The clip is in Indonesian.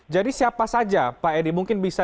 jadi siapa saja pak edi mungkin bisa